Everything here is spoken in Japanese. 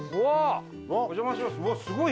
お邪魔します。